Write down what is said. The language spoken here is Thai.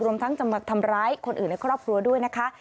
ทั้งจะมาทำร้ายคนอื่นในครอบครัวด้วยนะคะ